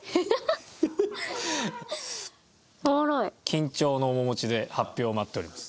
緊張の面持ちで発表を待っております。